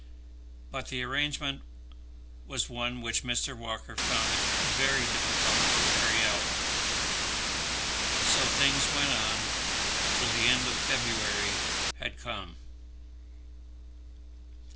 But the arrangement was one which Mr. Walker found it very difficult to carry out. So things went on till the end of February had come.